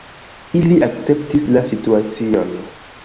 Ili akceptis la situacion.